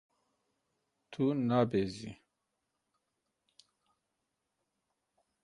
Tu nabezî.